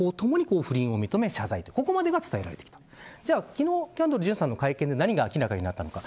昨日キャンドル・ジュンさんの会見で何が明らかになったのか。